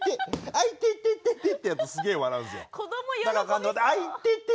「あいてててて」ってやるとすげえ笑うんですよ。